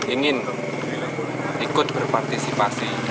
ingin ikut berpartisipasi